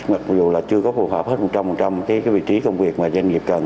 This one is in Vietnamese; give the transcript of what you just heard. mặc dù là chưa có phù hợp hơn một trăm linh cái vị trí công việc mà doanh nghiệp cần